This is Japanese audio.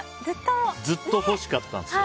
ずっと欲しかったんですよ。